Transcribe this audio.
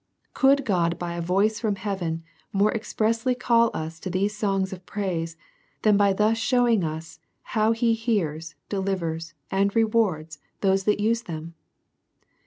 Could God by a voice from heaven more expressly call us to these songs of praise, than by thus showing us, how he hears, delivers, and rewards those that use them